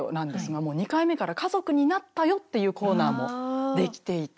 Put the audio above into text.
もう２回目から「家族になったよ」っていうコーナーも出来ていて。